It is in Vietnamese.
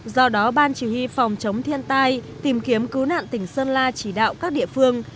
do đó ban chỉ huy phòng chống thiên tai tìm kiếm cứu nạn tỉnh sơn la chỉ đạo các địa phương